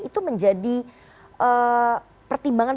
itu menjadi pertimbangan